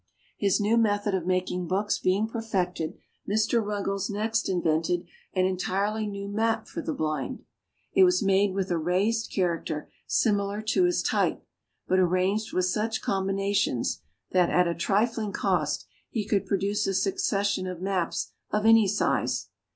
His new method of making books being perfected, Mr. Ruggles next invented an entirely new map for the blind. It was made with a raised character, similar to his type; but arranged with such combinations that, at a trifling cost, he could produce a succession of maps of any size.